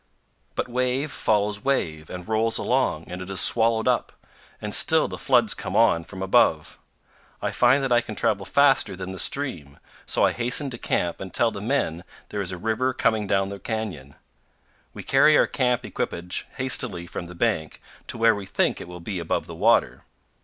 But wave follows wave and rolls along and is swallowed up; and still the floods come on from above. I find that I can travel faster than the stream; so I hasten to camp and tell the men there is a river coming down the canyon. We carry our camp equipage hastily from the bank to where we think it will be above the water.